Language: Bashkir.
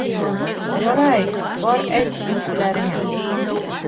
Ярай, бар әйт күршеләреңә.